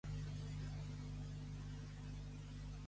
Com es deien abans els pilars d'Hèrcules?